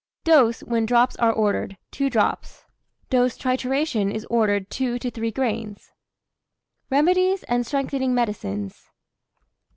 Dose, when drops are ordered, 2 drops. "" trituration is ordered, 2 to 3 grains. REMEDIES AND STRENGTHENING MEDICINES.